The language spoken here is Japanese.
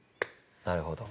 なるほど。